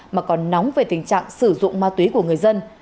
mà còn nóng về tình trạng sử dụng ma túy của người dân